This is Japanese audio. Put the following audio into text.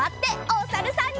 おさるさん。